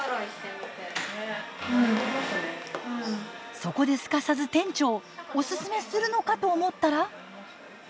そこですかさず店長オススメするのかと思ったら。